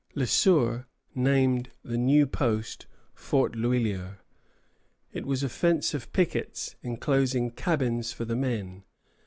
Le Sueur named the new post Fort l'Huillier. It was a fence of pickets, enclosing cabins for the men.